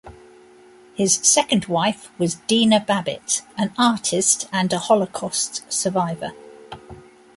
His second wife was Dina Babbitt, an artist and a Holocaust survivor.